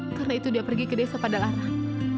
karena itu dia pergi ke desa pada larang